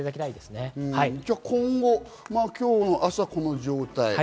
今後、今日の朝、この状態。